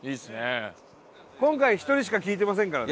今回１人しか聞いてませんからね。